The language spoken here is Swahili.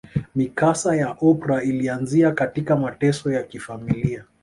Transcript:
Mikasa ya Oprah ilianzia katika mateso ya kifamilia